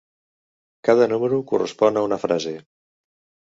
Cada número correspon a una frase.